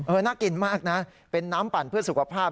น่ากินมากนะเป็นน้ำปั่นเพื่อสุขภาพ